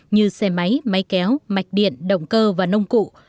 như xe máy máy kéo mạch điện động cơ và nông cụ